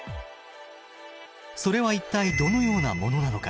それは一体どのようなものなのか。